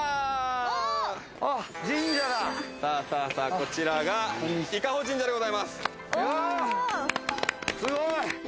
こちらが伊香保神社でございます。